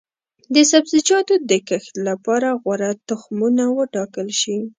د سبزیجاتو د کښت لپاره غوره تخمونه وټاکل شي.